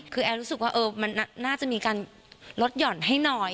คือแอร์รู้สึกว่ามันน่าจะมีการลดหย่อนให้หน่อย